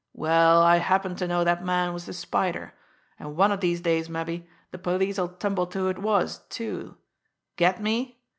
Well, I happen to know that man was the Spider, and one of these days, mabbe, the police'll tumble to who it was, too. Get me?